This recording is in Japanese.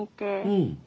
うん。